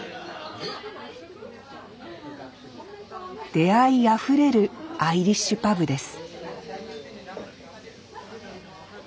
出会いあふれるアイリッシュパブです